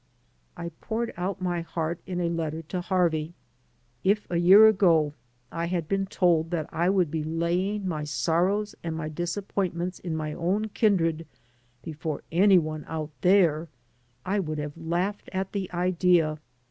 '* I poured out my heart in a letter to Harvey. If a year ago I had been told that I would be laying my sorrows and my disappointments in my own kindred before any one out there, I woidd have laughed at the idea.